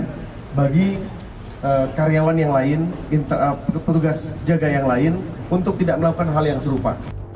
nah bagi karyawan yang lain petugas jaga yang lain untuk tidak melakukan hal yang serupa